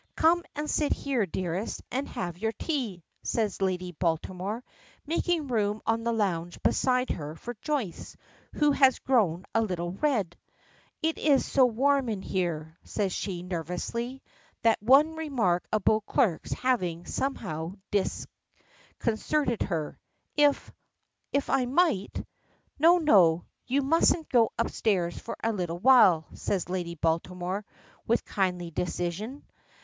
"Come and sit here, dearest, and have your tea," says Lady Baltimore, making room on the lounge beside her for Joyce, who has grown a little red. "It is so warm here," says she, nervously, that one remark of Beauclerk's having, somehow, disconcerted her. "If if I might " "No, no; you mustn't go upstairs for a little while," says Lady Baltimore, with kindly decision.